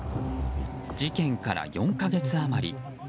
事件から４か月余り。